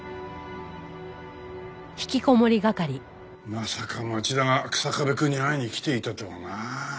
まさか町田が草壁くんに会いに来ていたとはな。